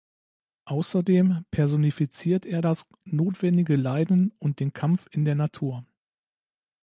Außerdem personifiziert er das notwendige Leiden und den Kampf in der Natur.